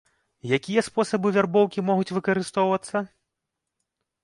Якія спосабы вярбоўкі могуць выкарыстоўвацца?